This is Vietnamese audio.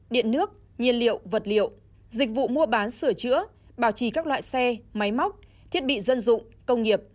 điện nước nhiên liệu vật liệu dịch vụ mua bán sửa chữa bảo trì các loại xe máy móc thiết bị dân dụng công nghiệp